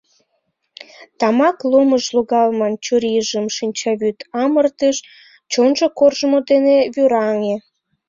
Тамак ломыж логалман чурийжым шинчавӱд амыртыш, чонжо коржмо дене вӱраҥе.